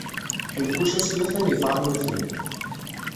Lkuca s tlata n yifarnuten.